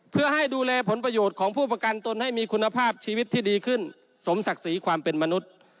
เพื่อให้ดูแลผลประโยชน์ของผู้ประกันตนให้มีคุณภาพชีวิตที่ดีขึ้นสมศักดิ์ศรีความเป็นมนุษย์